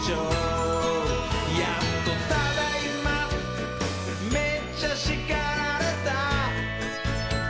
「やっとただいまめっちゃしかられた」